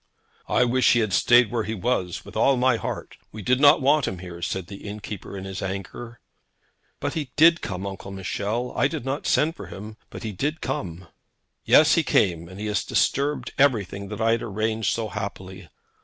'I wish he had stayed where he was with all my heart. We did not want him here,' said the innkeeper in his anger. 'But he did come, Uncle Michel. I did not send for him, but he did come.' 'Yes; he came, and he has disturbed everything that I had arranged so happily.